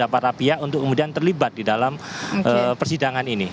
dan juga para pihak untuk kemudian terlibat di dalam persidangan ini